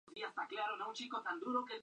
Ex operadores